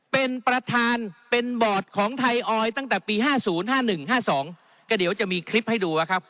เป็นประธานเป็นบอร์ดของไทยออยตั้งแต่ปีห้าศูนย์ห้าหนึ่งห้าสองก็เดี๋ยวจะมีคลิปให้ดูว่าครับ